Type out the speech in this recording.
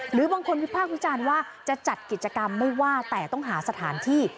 หรือบางคนนิวค์ผ้าคุยฌาญว่าจะจัดกิจกรรมไม่ว่าแต่ต้องหาสถานที่